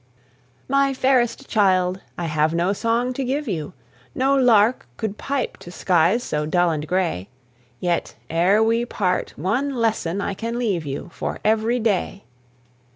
My fairest child, I have no song to give you; No lark could pipe to skies so dull and gray; Yet, ere we part, one lesson I can leave you For every day.